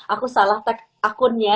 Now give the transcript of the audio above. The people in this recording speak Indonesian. aku salah tag akunnya